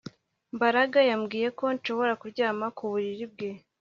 Mbaraga yambwiye ko nshobora kuryama ku buriri bwe